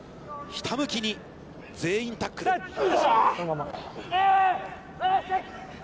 ひたむきに全員タックル。